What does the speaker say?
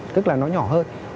tức là nó nhỏ hơn